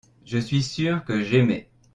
je suis sûr que j'aimais.